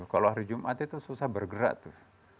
kalau hari jumat itu susah bergerak tuh